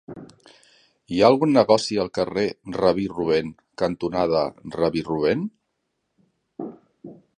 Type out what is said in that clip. Hi ha algun negoci al carrer Rabí Rubèn cantonada Rabí Rubèn?